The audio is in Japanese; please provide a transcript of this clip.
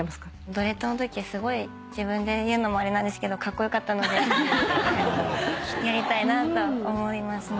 ドレッドのときすごい自分で言うのもあれなんですけどカッコ良かったのでやりたいなと思いますね。